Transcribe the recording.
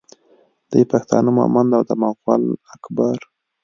دوی پښتانه مومند او د مغول اکبر